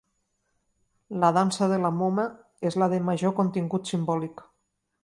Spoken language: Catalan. La Dansa de la Moma és la de major contingut simbòlic.